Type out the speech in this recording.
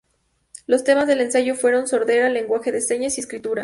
Los temas del ensayo fueron sordera, lenguaje de señas y escritura.